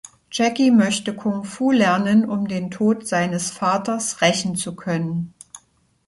Jackie möchte Kung Fu lernen, um den Tod seines Vaters rächen zu können.